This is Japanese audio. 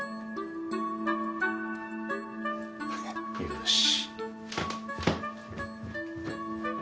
よし。